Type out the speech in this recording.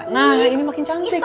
nah ini makin cantik